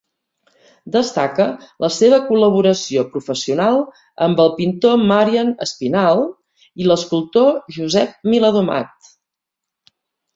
Destaca la seva col·laboració professional amb el pintor Marian Espinal i l’escultor Josep Viladomat.